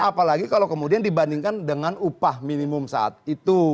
apalagi kalau kemudian dibandingkan dengan upah minimum saat itu